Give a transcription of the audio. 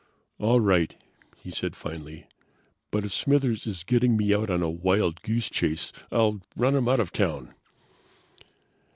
"All right," he said finally. "But if Smithers is getting me out on a wild goose chase I'll run him out of town!"